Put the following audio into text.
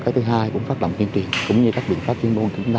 thứ hai cũng phát lập nguyên triền